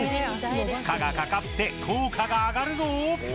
負荷がかかって効果が上がるぞ！